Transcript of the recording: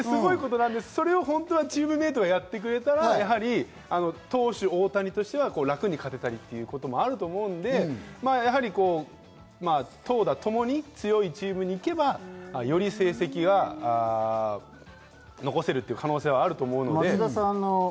すごいことなんですけれども、チームメートがやってくれたら投手・大谷としては楽に勝てたりということもあるので、投打ともに強いチームに行けば、より成績が残せる可能性はあると思うので。